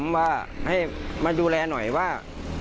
ว่าให้มาดูแลหน่อยว่า